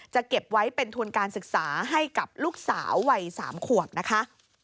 เก็บไว้เป็นทุนการศึกษาให้กับลูกสาววัย๓ขวบนะคะ